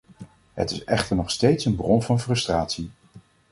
Het is echter nog steeds een bron van frustratie.